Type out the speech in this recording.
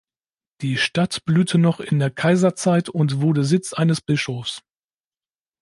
Die Stadt blühte noch in der Kaiserzeit und wurde Sitz eines Bischofs.